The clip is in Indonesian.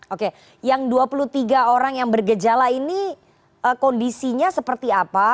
oke yang dua puluh tiga orang yang bergejala ini kondisinya seperti apa